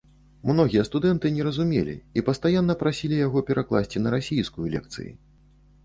Многія студэнты не разумелі і пастаянна прасілі яго перакласці на расійскую лекцыі.